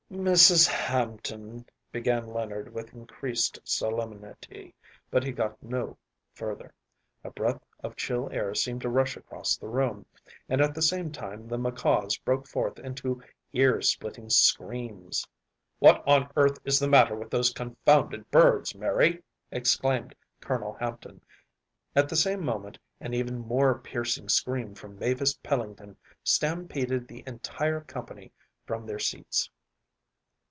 “Mrs. Hampton‚ÄĒ‚ÄĚ began Leonard with increased solemnity, but he got no further. A breath of chill air seemed to rush across the room, and at the same time the macaws broke forth into ear splitting screams. “What on earth is the matter with those confounded birds, Mary?‚ÄĚ exclaimed Colonel Hampton; at the same moment an even more piercing scream from Mavis Pellington stampeded the entire company from their seats.